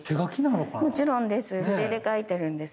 もちろんです。